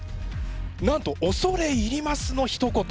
なんと「恐れ入ります」のひと言。